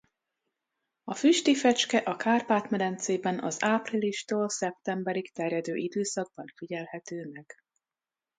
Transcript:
A füsti fecske a Kárpát-medencében az áprilistól szeptemberig terjedő időszakban figyelhető meg.